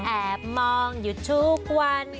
แอบมองอยู่ทุกวัน